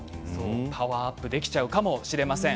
パワーアップできちゃうかもしれません。